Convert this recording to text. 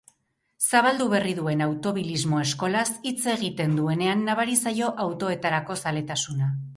Zabaldu berri duen automobilismo eskolaz hitz egiten duenean nabari zaio autoetarako zaletasuna.